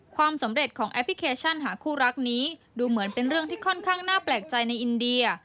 ความสำเร็จของแอปพลิเคชันหาคู่รักนี้ดูเหมือนเป็นเรื่องที่ค่อนข้างน่าแปลกใจในอินเดีย